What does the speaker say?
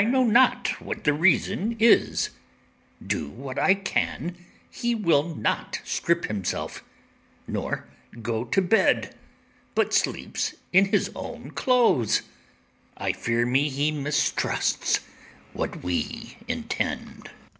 Yes; and I know not what the reason is, Do what I can, he will not strip himself, Nor go to bed, but sleeps in his own clothes: I fear me he mistrusts what we intend.